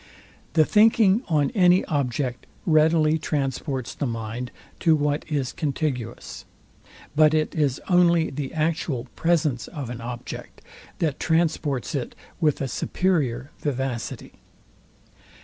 The thinking on any object readily transports the mind to what is contiguous; but it is only the actual presence of an object, that transports it with a superior vivacity.